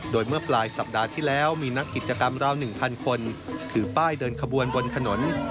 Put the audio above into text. โดยเมื่อปลายสัปดาห์ที่แล้วมีนักกิจกรรมราว๑๐๐คนถือป้ายเดินขบวนบนถนน